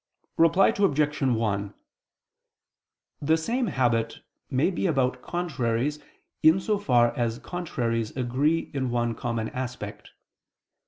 Reply Obj. 1: The same habit may be about contraries in so far as contraries agree in one common aspect.